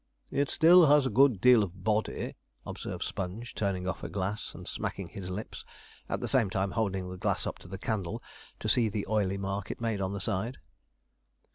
'It has still a good deal of body,' observed Sponge, turning off a glass and smacking his lips, at the same time holding the glass up to the candle to see the oily mark it made on the side.